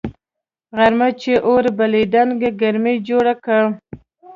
غرمې چي اور بلېدنگ ګرمي جوړه که